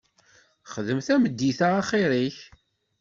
Xdem tameddit-a axir-ik.